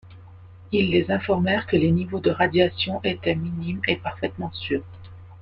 Ils les informèrent que les niveaux de radiation étaient minimes et parfaitement sûrs.